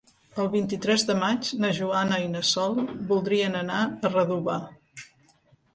El vint-i-tres de maig na Joana i na Sol voldrien anar a Redovà.